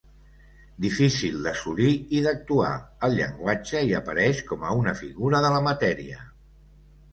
Difícil d'assolir i d'actuar, el llenguatge hi apareix com a una figura de la matèria.